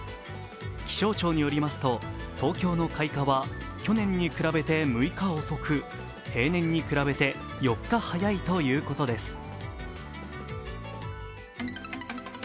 気象庁によりますと東京の開花は去年に比べて６日遅く平年に比べて４日早いということです。